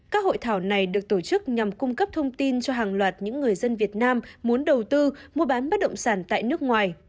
các hội thảo này được tổ chức nhằm cung cấp thông tin cho hàng loạt những người dân việt nam muốn đầu tư mua bán bất động sản tại nước ngoài